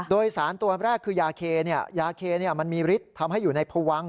โดยสารตัวแรกคือยาเคยาเคมันมีฤทธิ์ทำให้อยู่ในพวัง